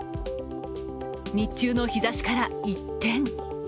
日中の日ざしから一転。